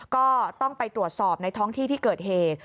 ก็ต้องไปตรวจสอบในท้องที่ที่เกิดเหตุ